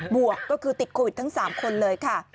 บวกก็คือติดโควิดทั้ง๓คนเลยค่ะ